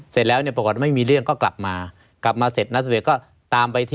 เสร็จแล้วเนี่ยปรากฏไม่มีเรื่องก็กลับมากลับมาเสร็จนัสเวทก็ตามไปที